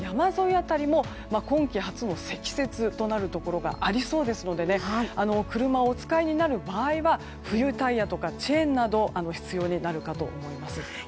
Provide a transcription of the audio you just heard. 辺りも今季初の積雪となるところがありそうですので車をお使いになる場合は冬タイヤとか、チェーンなどが必要になるかと思います。